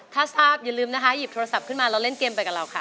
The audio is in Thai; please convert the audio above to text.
ถ้าทราบอย่าลืมนะคะหยิบโทรศัพท์ขึ้นมาเราเล่นเกมไปกับเราค่ะ